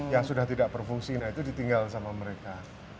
yang sudah tidak berfungsi nah itu ditinggal sama mereka